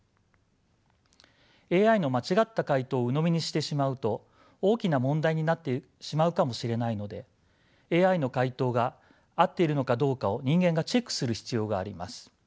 ＡＩの間違った回答をうのみにしてしまうと大きな問題になってしまうかもしれないのでＡＩの回答が合っているのかどうかを人間がチェックする必要があります。